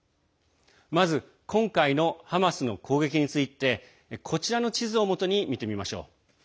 まず今回のハマスの攻撃についてこちらの地図をもとに見てみましょう。